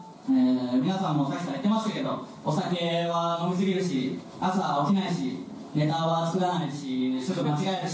皆さんもさっきから言っていますけれどお酒は飲み過ぎるし朝は起きないしネタは作らないしすぐ間違えるし。